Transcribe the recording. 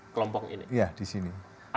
kelompok ini di sini